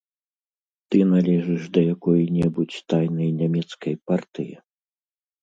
Ты належыш да якой-небудзь тайнай нямецкай партыі?